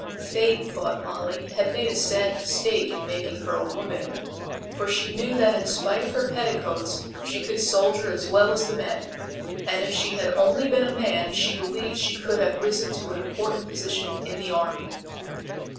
Fate, thought Molly, had made a sad mistake, in making her a woman, for she knew that in spite of her petticoats she could soldier as well as the men, and if she had only been a man she believed she could have risen to an important position in the army.